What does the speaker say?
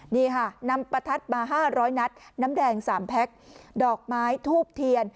นี่ค่ะนำประทัดมา๕๐๐นัดน้ำแดง๓แพ็คดอกไม้ทูบเทียน